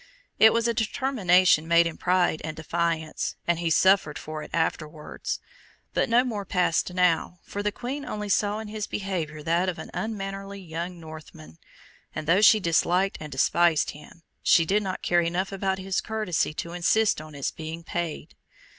It was a determination made in pride and defiance, and he suffered for it afterwards; but no more passed now, for the Queen only saw in his behaviour that of an unmannerly young Northman: and though she disliked and despised him, she did not care enough about his courtesy to insist on its being paid.